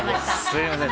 すみません。